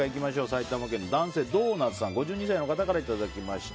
埼玉県の５２歳の男性の方からいただきました。